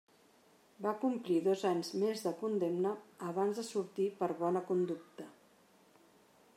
Va complir dos anys més de condemna abans de sortir per bona conducta.